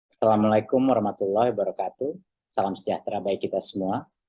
assalamu'alaikum warahmatullahi wabarakatuh salam sejahtera baik kita semua